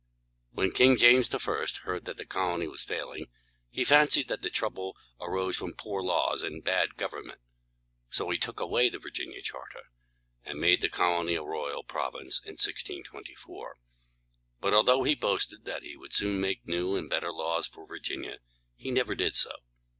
When King James I. heard that the colony was failing, he fancied that the trouble arose from poor laws and bad government; so he took away the Virginia charter, and made the colony a royal province, in 1624. But although he boasted that he would soon make new and better laws for Virginia, he never did so.